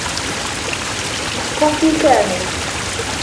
كوبي كامل.